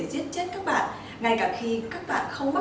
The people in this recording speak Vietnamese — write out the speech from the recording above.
giết chết các bạn ngay cả khi các bạn không mắc bệnh